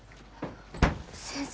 先生。